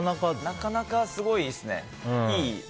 なかなかすごいですね。